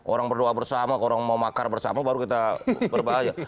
orang berdoa bersama orang mau makar bersama baru kita berbahaya